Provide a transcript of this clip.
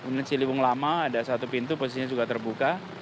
di ciliwung lama ada satu pintu posisinya juga terbuka